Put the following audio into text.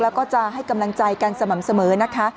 แล้วก็จะให้กำลังใจกันสม่ำเสมอนะคะ